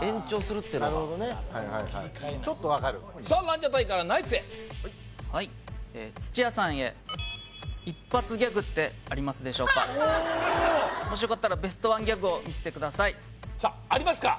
ランジャタイからナイツへはい土屋さんへ一発ギャグってありますでしょうかもしよかったらベストワンギャグを見せてくださいさあありますか？